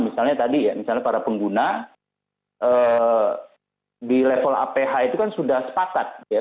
misalnya tadi ya misalnya para pengguna di level aph itu kan sudah sepakat ya